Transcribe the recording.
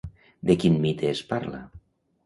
De quin mite es parla?